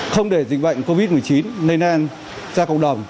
không để dịch vụ y tế